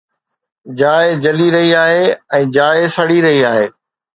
جاءِ جلي رهي آهي ۽ جاءِ سڙي رهي آهي